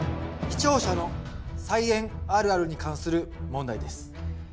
視聴者の「菜園あるある」に関する問題です。